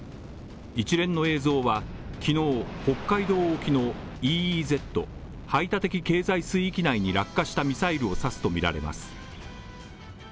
一連の映像は昨日北海道沖のＥＥＺ＝排他的経済水域内に落下したミサイルを指すとみられます。